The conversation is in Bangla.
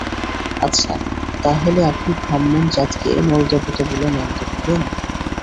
আচ্ছা, তা হলে আপনি ব্রাহ্মণ জাতকে নরদেবতা বলে মানতে বলেন?